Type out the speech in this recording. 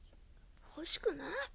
欲しくない。